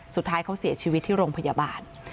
สุดท้ายเขาเสียชีวิตที่โรงพยาบาล